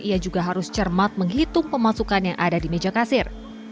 ia juga harus cermat menghitung pemasukan yang ada di meja kasir